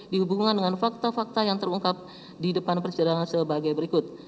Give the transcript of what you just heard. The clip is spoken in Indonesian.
dihubungkan dengan fakta fakta yang terungkap di depan persidangan sebagai berikut